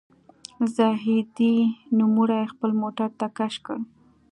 زاهدي نوموړی خپل موټر ته کش کړ.